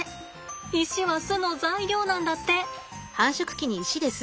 石は巣の材料なんだって。